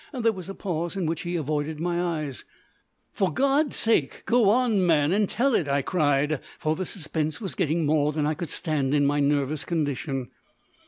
There was a pause in which he avoided my eyes. "For God's sake, go on, man, and tell it!" I cried, for the suspense was getting more than I could stand in my nervous condition.